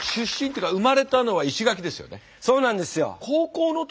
そうなんですよ！